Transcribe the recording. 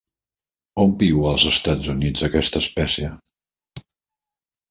On viu als Estats Units aquesta espècie?